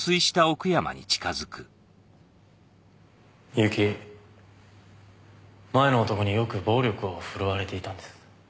深雪前の男によく暴力を振るわれていたんです。